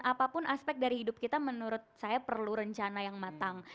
apapun aspek dari hidup kita menurut saya perlu rencana yang matang